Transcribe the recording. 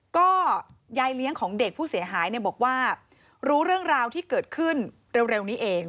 ก็ยายเลี้ยงของเด็กผู้เสียหายเนี่ยบอกว่ารู้เรื่องราวที่เกิดขึ้นเร็วนี้เอง